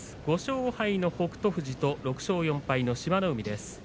５勝５敗の北勝富士と６勝４敗の志摩ノ海です。